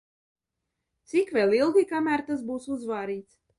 Cik vēl ilgi, kamēr tas būs uzvārīts?